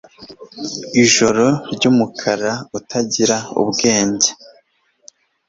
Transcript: Ijoro ryumukara utagira ubwenge